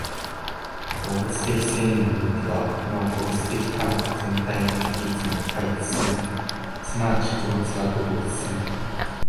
動物的生命においては、なお個物的多が全体的一に対立せない、即ち個物が独立せない。